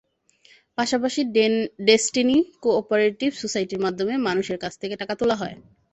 পাশাপাশি Destiny co-operative সোসাইটির মাধ্যমেও মানুষের কাছ থেকে টাকা তোলা হয়।